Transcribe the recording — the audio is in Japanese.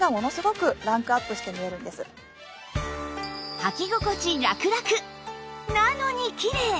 はき心地ラクラクなのにきれい！